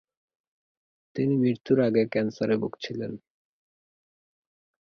তিনি মৃত্যুর আগে ক্যান্সারে ভুগছিলেন।